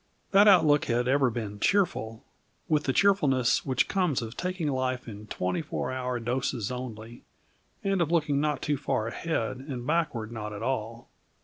That outlook had ever been cheerful, with the cheerfulness which comes of taking life in twenty four hour doses only, and of looking not too far ahead and backward not at all.